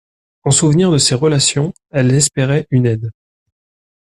En souvenir de ces relations, elle espérait une aide.